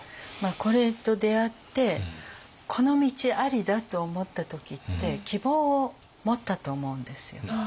これと出会ってこの道ありだって思った時って希望を持ったと思うんですよ。